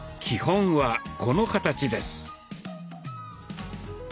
基本はこの形です。